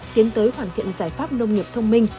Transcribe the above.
tiến tới hoàn thiện giải pháp nông nghiệp thông minh